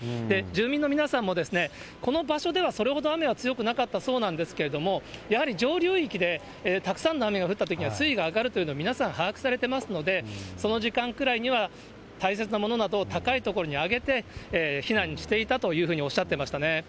住民の皆さんも、この場所では、それほど雨は強くなかったそうなんですが、やはり上流域でたくさんの雨が降ったときには水位が上がるというのは、皆さん、把握されてますので、その時間くらいには、大切なものなど、高い所に上げて、避難していたというふうにおっしゃっていました